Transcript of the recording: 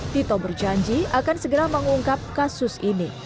tito berjanji akan segera mengungkap kasus ini